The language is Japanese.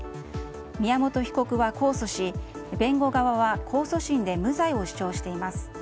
宮本被告は控訴し弁護側は控訴審で無罪を主張しています。